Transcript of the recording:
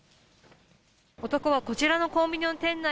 男はこちらのコンビニのえ